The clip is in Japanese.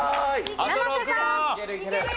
生瀬さん。